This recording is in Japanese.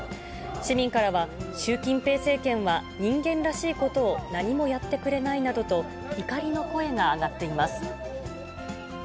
市民からは、習近平政権は、人間らしいことを何もやってくれないなどと、怒りの声が上がっています。